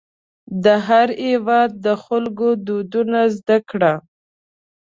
د هر هېواد د خلکو دودونه زده کړه.